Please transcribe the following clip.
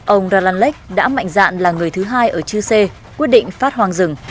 ông ra lan lech đã mạnh dạng là người thứ hai ở chư sê quyết định phát hoang rừng